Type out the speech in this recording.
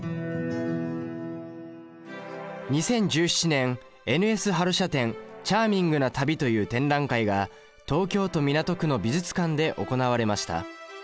２０１７年「Ｎ・Ｓ・ハルシャ展：チャーミングな旅」という展覧会が東京都港区の美術館で行われました。